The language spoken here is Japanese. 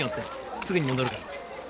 すぐに戻るから。